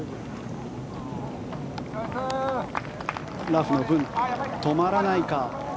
ラフの分、止まらないか。